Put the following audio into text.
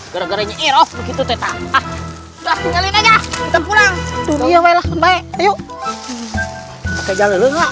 gara gara itu kita